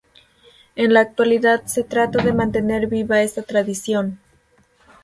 En la actualidad, se trata de mantener viva esta tradición.